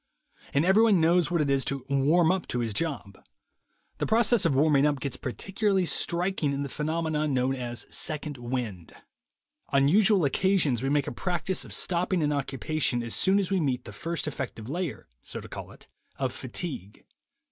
And everybody knows what it is to 'warm up' to his job. The process of warming up gets particularly striking in the phenomenon known as 'second wind.' On usual occasions we make a practice of stopping an occupation as soon as we meet the first effective layer (so to call it) of fatigue.